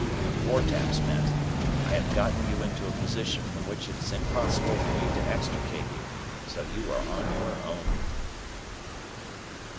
Four taps meant, "I have gotten you into a position from which it is impossible for me to extricate you, so you are on your own."